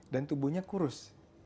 dan tubuhnya kurus